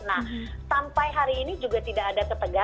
nah sampai hari ini juga tidak ada ketegangan